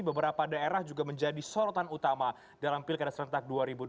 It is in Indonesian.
beberapa daerah juga menjadi sorotan utama dalam pilkada serentak dua ribu dua puluh